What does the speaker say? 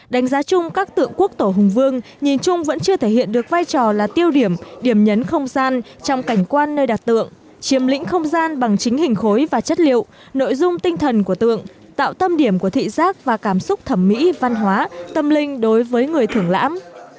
đánh giá chung các tượng quốc tổ hùng vương nhìn chung vẫn chưa thể hiện được vai trò là tiêu điểm điểm nhấn không gian trong cảnh quan nơi đặt tượng chiếm lĩnh không gian bằng chính hình khối và chất liệu nội dung tinh thần của tượng tạo tâm điểm của thị giác và cảm xúc thẩm mỹ văn hóa tâm linh đối với người thưởng lãm